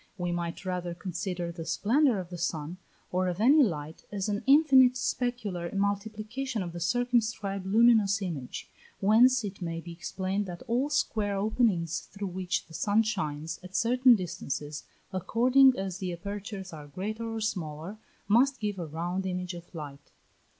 We might rather consider the splendour of the sun, or of any light, as an infinite specular multiplication of the circumscribed luminous image, whence it may be explained that all square openings through which the sun shines, at certain distances, according as the apertures are greater or smaller, must give a round image of light.